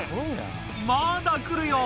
「まだ来るよ！